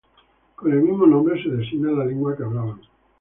Con el mismo nombre se designa la lengua que hablaban.